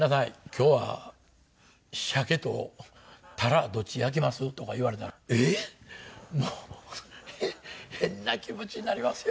「今日はシャケとタラどっち焼きます？」とか言われたら「えっ？」。もう変な気持ちになりますよ。